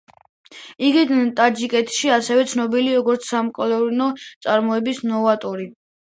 იგი ტაჯიკეთში ასევე ცნობილია, როგორც საკოლმეურნეო წარმოების ნოვატორი.